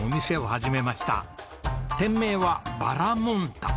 店名はバラモン太。